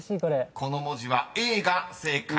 ［この文字は「ａ」が正解］